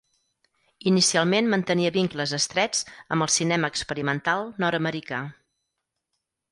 Inicialment mantenia vincles estrets amb el cinema experimental nord-americà.